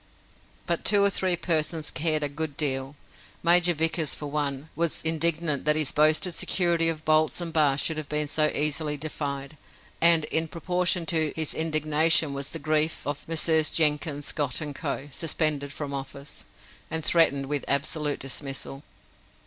But two or three persons cared a good deal. Major Vickers, for one, was indignant that his boasted security of bolts and bars should have been so easily defied, and in proportion to his indignation was the grief of Messieurs Jenkins, Scott, and Co., suspended from office, and threatened with absolute dismissal.